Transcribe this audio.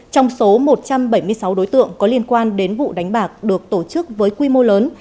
trong số một trăm bảy mươi sáu đối tượng có liên quan đến vụ đánh bạc được tổ chức với quy mô lớn